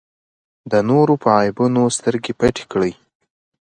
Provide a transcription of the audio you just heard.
د نورو په عیبونو سترګې پټې کړئ.